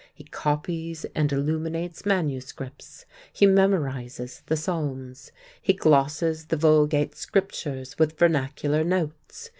He copies and illuminates manuscripts. He memorizes the Psalms. He glosses the Vulgate Scriptures with vernacular notes.